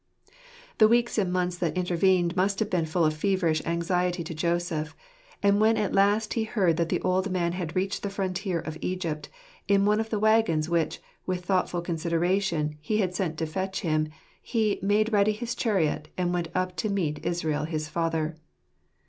The weeks and months that intervened must have been full of feverish anxiety to Joseph ; and when at last he heard that the old man had reached the frontier of Egypt, in one of the waggons which, with thoughtful consideration, he had sent to fetch him, he "made ready his chariot, and went up to meet Israel his father."